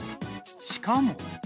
しかも。